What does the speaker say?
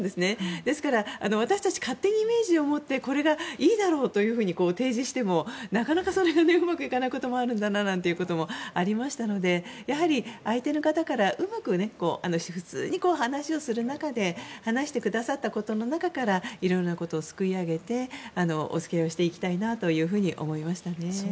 ですから、私たちは勝手にイメージを持ってこれがいいだろうと提示してもなかなかそれはうまくいかないことがあるんだなということもありましたのでやはり、相手の方からうまく普通に話をする中で話してくださったことの中からいろいろなことをすくい上げてお付き合いをしていきたいなと思いました。